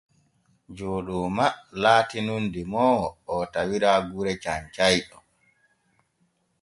Jooɗooma laati nun demoowo oo tawira gure Cancayɗo.